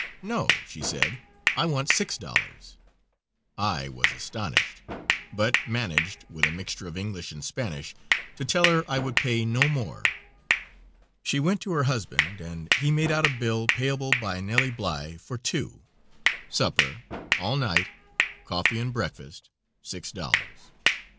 "No," she said, "I want six dollars." I was astonished, but managed with a mixture of English and Spanish to tell her I would pay no more. She went to her husband and he made out a bill "payable by Nellie Bly for two supper, all night, coffee and breakfast, six dollars."